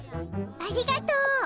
ありがとう。